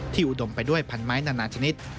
อุดมไปด้วยพันไม้นานาชนิด